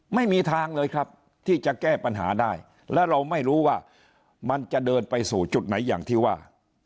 ไม่มีทางเลยครับที่จะแก้ปัญหาได้และเราไม่รู้ว่ามันจะเดินไปสู่จุดไหนอย่างที่ว่า